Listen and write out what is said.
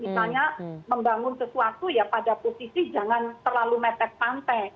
misalnya membangun sesuatu ya pada posisi jangan terlalu metek pantai